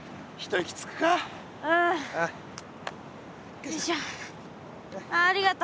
よいしょああありがと。